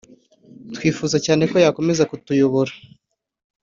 twifuza cyane ko yakomeza kutuyobora